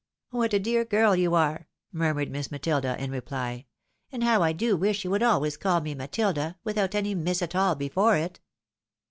" What a dear girl you are," murmured Miss Matilda, in reply ;" and how I do wish you would always call me Matilda, without any Miss at all before it."